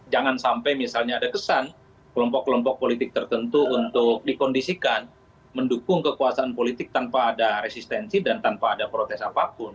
jangan sampai misalnya ada kesan kelompok kelompok politik tertentu untuk dikondisikan mendukung kekuasaan politik tanpa ada resistensi dan tanpa ada protes apapun